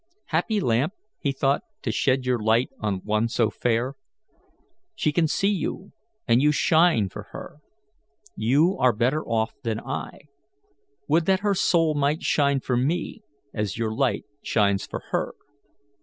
"Happy lamp," he thought, "to shed your light on one so fair! She can see you, and you shine, for her. You are better off than I. Would that her soul might shine for me, as your light shines for her!